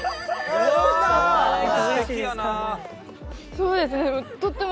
そうですね。